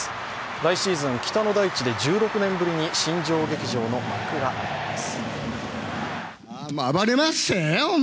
来シーズン、北の大地で１６年ぶりに新庄劇場の幕が上がります。